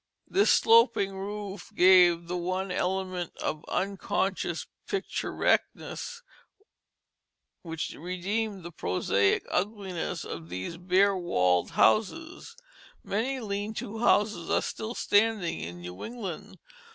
This sloping roof gave the one element of unconscious picturesqueness which redeemed the prosaic ugliness of these bare walled houses. Many lean to houses are still standing in New England.